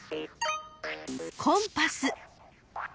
［コンパス］